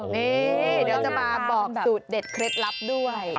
นี่เดี๋ยวจะมาบอกสูตรเด็ดเคล็ดลับด้วย